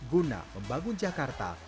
guna membangun jakarta